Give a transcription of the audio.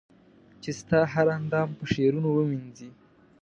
چي ستا هر اندام په شعرونو و مېنځنې